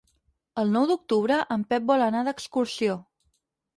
El nou d'octubre en Pep vol anar d'excursió.